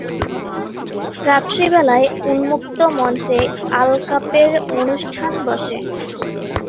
রাত্রিবেলায় উন্মুক্ত মঞ্চে আলকাপের অনুষ্ঠান বসে।